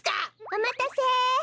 おまたせ。